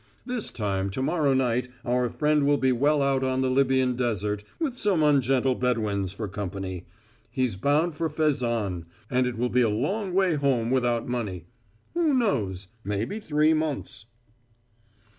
"This time to morrow night our friend will be well out on the Libyan Desert, with some ungentle Bedouins for company. He's bound for Fezzan and it will be a long way home without money. Who knows? Maybe three months."